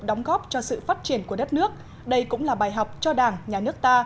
đóng góp cho sự phát triển của đất nước đây cũng là bài học cho đảng nhà nước ta